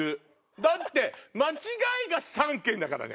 だって間違いが３件だからね。